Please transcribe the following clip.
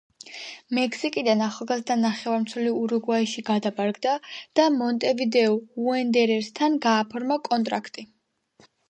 მექსიკიდან ახალგაზრდა ნახევარმცველი ურუგვაიში გადაბარგდა და „მონტევიდეო უონდერერსთან“ გააფორმა კონტრაქტი.